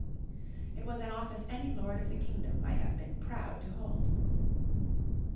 It was an office any lord of the kingdom might have been proud to hold.